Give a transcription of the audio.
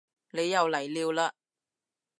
你又嚟料嘞